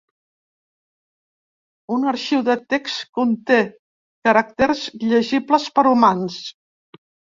Un arxiu de text conté caràcters llegibles per humans.